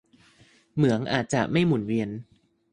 เหมืองอาจจะไม่หมุนเวียน